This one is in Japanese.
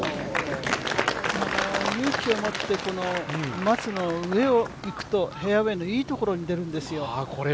勇気を持って、松の上をいくとフェアウエーのいいところに出るんですよ。